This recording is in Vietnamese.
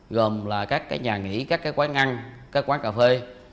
gồm là các nhà nghỉ các quán ăn các quán cà phê